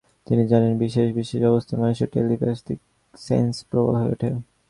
তিনি জানেন, বিশেষ-বিশেষ অবস্থায় মানুষের টেলিপ্যাথিক সেন্স প্রবল হয়ে ওঠে।